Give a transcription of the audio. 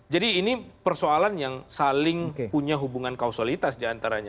jadi ini persoalan yang saling punya hubungan kausalitas diantaranya